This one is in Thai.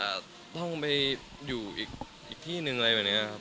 อเจมส์ออกมาแล้วก็น่าจะต้องไปอยู่อีกที่หนึ่งอะไรแบบนี้ครับ